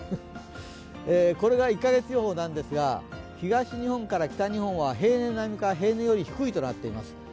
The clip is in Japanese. これが１か月予報なんですが東日本から北日本は平年並みか平年より低いとなっています。